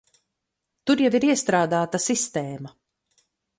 Tur jau ir iestrādāta sistēma.